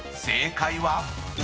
［正解は⁉］